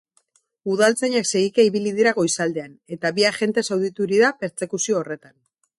Udaltzainak segika ibili dira goizaldean, eta bi agente zauritu dira pertsekuzio horretan.